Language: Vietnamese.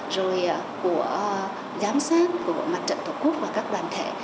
rồi của giám sát của mặt trận tổ quốc và các đoàn thể